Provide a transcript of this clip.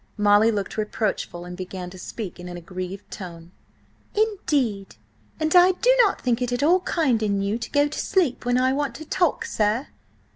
Molly looked reproachful, and began to speak in an aggrieved tone: "Indeed, and I do not think it at all kind in you to go to sleep when I want to talk, sir."